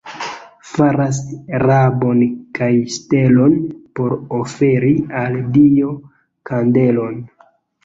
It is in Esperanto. Faras rabon kaj ŝtelon, por oferi al Dio kandelon.